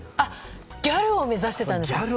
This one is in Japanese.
ギャルを目指してたんですか！